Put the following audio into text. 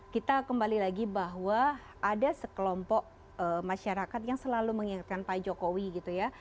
kita kembali lagi bahwa ada sekelompok masyarakat yang selalu mengingatkan pak jokowi gitu ya